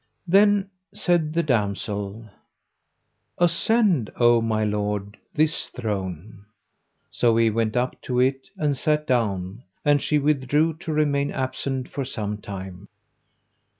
Then said the damsel, "Ascend, O my lord, this throne." So he went up to it and sat down and she withdrew to remain absent for some time.